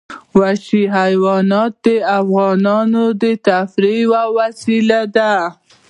وحشي حیوانات د افغانانو د تفریح یوه وسیله ده.